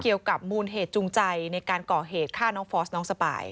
เกี่ยวกับมูลเหตุจูงใจในการก่อเหตุฆ่าน้องฟอสน้องสปาย